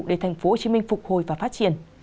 để thành phố hồ chí minh phục hồi và phát triển